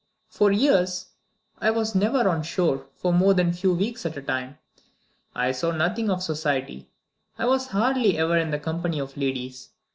For years, I was never on shore for more than a few weeks at a time. I saw nothing of society; I was hardly ever in the company of ladies.